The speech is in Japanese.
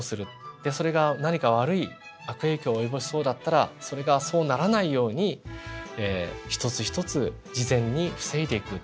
でそれが何か悪い悪影響を及ぼしそうだったらそれがそうならないように一つ一つ事前に防いでいく。